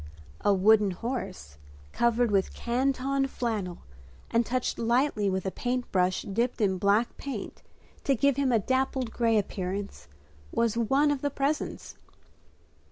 A wooden horse, covered with canton flannel and touched lightly with a paint brush dipped in black paint to give him a dappled gray appearance, was one of the presents.